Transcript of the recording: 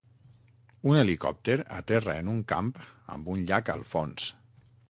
Un helicòpter aterra en un camp amb un llac al fons